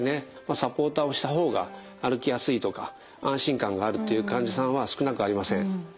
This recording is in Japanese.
サポーターをした方が歩きやすいとか安心感があるという患者さんは少なくありません。